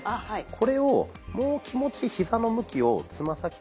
これをもう気持ちヒザの向きをつま先と外側に。